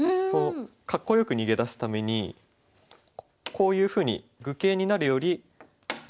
こうかっこよく逃げ出すためにこういうふうに愚形になるより。